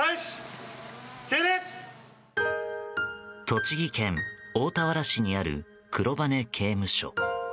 栃木県大田原市にある黒羽刑務所。